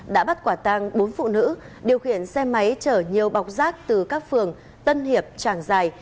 đã bắt quả tăng bốn phụ nữ điều khiển xe máy chở nhiều bọc rác từ các phường tân hiệp tràng giài